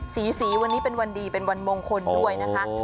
สีสีวันนี้เป็นวันดีเป็นวันมงคลด้วยนะคะ